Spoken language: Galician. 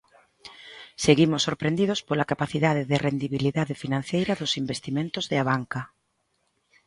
Seguimos sorprendidos pola capacidade de rendibilidade financeira dos investimentos de Abanca.